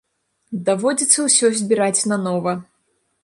Даводзіцца ўсё збіраць нанова.